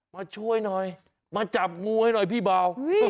มาช่วยหน่อยมาจับงูให้หน่อยพี่เบา